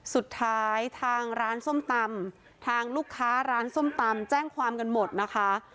สุดท้ายทางร้านส้มตำทางลูกค้าร้านส้มตำแจ้งความกันหมดนะคะ